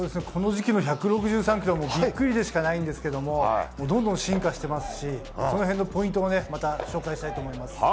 この時期の１６３キロはビックリでしかないんですけどどんどん進化してますしその辺のポイントもまた紹介したいと思います。